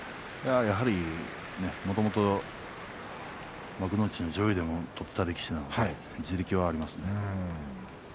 やはりもともと幕内の上位でも取っていた力士なので地力はあります。